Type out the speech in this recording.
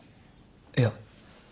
いや。